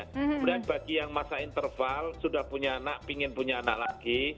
kemudian bagi yang masa interval sudah punya anak pingin punya anak lagi